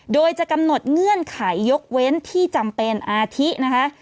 โดยจะกำหนดเงื่อนไขยกเว้นที่จำเป็นอาทินะคะ